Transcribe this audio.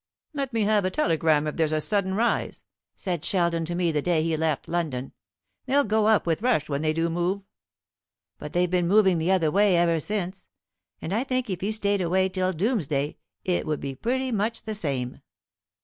'Let me have a telegram if there's a sudden rise,' said Sheldon to me the day he left London; 'they'll go up with rush when they do move.' But they've been moving the other way ever since; and I think if he stayed away till doomsday it would be pretty much the same."